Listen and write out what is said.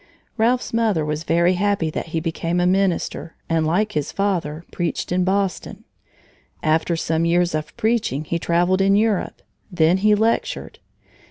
Ralph's mother was very happy that he became a minister, and like his father, preached in Boston. After some years of preaching, he traveled in Europe. Then he lectured.